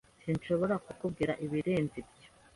Sinshobora kukubwira ibirenze ibyo.